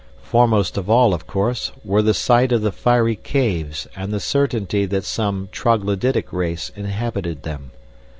Foremost of all, of course, were the sight of the fiery caves and the certainty that some troglodytic race inhabited them.